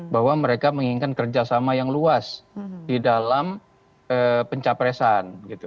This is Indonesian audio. bahwa mereka menginginkan kerjasama yang luas di dalam pencapresan